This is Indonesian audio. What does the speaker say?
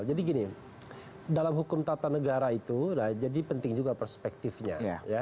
jadi gini dalam hukum tata negara itu jadi penting juga perspektifnya